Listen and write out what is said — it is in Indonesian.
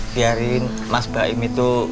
biarin mas baim itu